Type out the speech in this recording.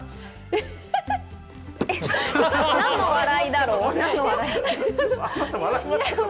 フフフ。何の笑いだろう？